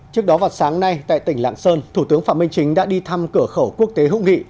trước đó vào sáng nay tại tỉnh lạng sơn thủ tướng phạm minh chính đã đi thăm cửa khẩu quốc tế hữu nghị